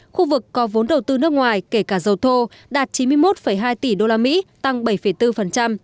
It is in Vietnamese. khu vực có vốn đầu tư nước ngoài kể cả dầu thô đạt chín mươi một hai tỷ đô la mỹ tăng bảy bốn